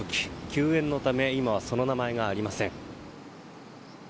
休演のため今はその名前がありません。